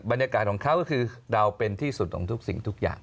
บรรยากาศของเขาก็คือเราเป็นที่สุดของทุกสิ่งทุกอย่าง